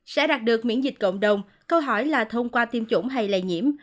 sẽ đạt được miễn dịch cộng đồng câu hỏi là thông qua tiêm chủng hay lây nhiễm